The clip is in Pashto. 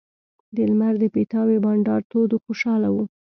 د لمر د پیتاوي بنډار تود و خوشاله وو.